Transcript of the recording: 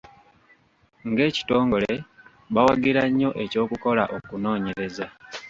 Ng’ekitongole, bawagira nnyo eky’okukola okunoonyereza.